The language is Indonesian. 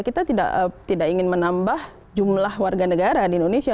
kita tidak ingin menambah jumlah warga negara di indonesia